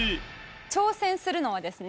挑戦するのはですね